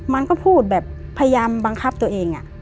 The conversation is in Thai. มันก็พูดแบบพยายามบังคับตัวเอง